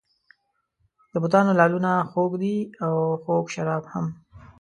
د بتانو لعلونه خوږ دي او خوږ شراب هم.